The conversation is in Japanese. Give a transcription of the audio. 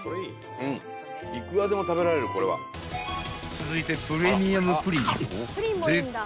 ［続いてプレミアムプリンもでっけ